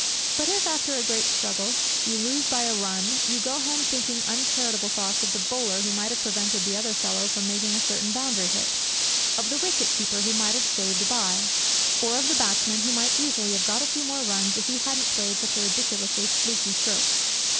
But, if, after a great struggle, you lose by a run, you go home thinking uncharitable thoughts of the bowler who might have prevented the other fellow from making a certain boundary hit, of the wicket keeper who might have saved a bye, or of the batsman who might easily have got a few more runs if he hadn't played such a ridiculously fluky stroke.